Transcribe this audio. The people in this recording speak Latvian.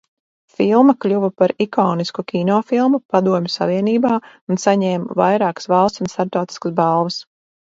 Filma kļuva par ikonisku kinofilmu Padomju Savienībā un saņēma vairākas valsts un starptautiskas balvas.